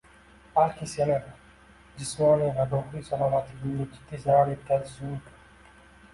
balki sening jismoniy va ruhiy salomatligingga jiddiy zarar yetkazishi mumkin